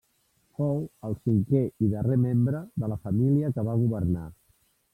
Fou el cinquè i darrer membre de la família que va governar.